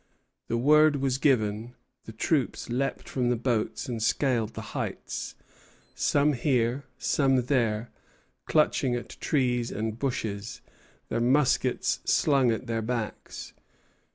The word was given; the troops leaped from the boats and scaled the heights, some here, some there, clutching at trees and bushes, their muskets slung at their backs.